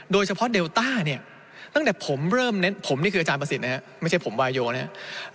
โดยเฉพาะเดลต้าเนี่ยตั้งแต่ผมเริ่มเน้นผมนี่คืออาจารย์ประสิทธิ์นะครับไม่ใช่ผมวายโยนะครับ